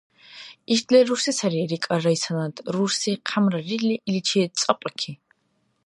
— Иш дила рурси сари, — рикӀар Райсанат, рурси хъямрарили, иличи цӀапӀаки.